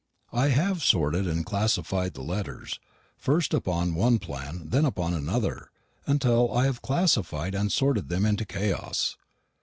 I have sorted and classified the letters, first upon one plan, then upon another, until I have classified and sorted them into chaos.